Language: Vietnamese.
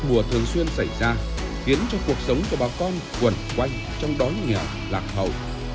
mùa thường xuyên xảy ra khiến cho cuộc sống của bà con quẩn quanh trong đói nghèo lạc hậu